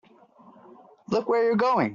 Look where you're going!